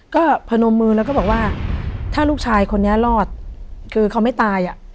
ก็พนมมือแล้วก็บอกว่าถ้าลูกชายคนนี้รอดคือเขาไม่ตายอ่ะ